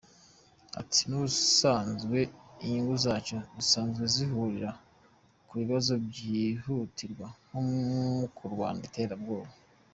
Ati “N’ubusanzwe inyungu zacu zisanzwe zihurira ku bibazo by’ihutirwa nko kurwanya iterabwoba.